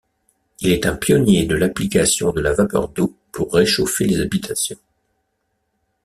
Il est un pionnier de l'application de la vapeur d'eau pour réchauffer les habitations.